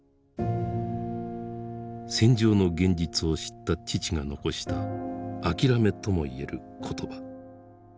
戦場の現実を知った父が残した諦めとも言える言葉。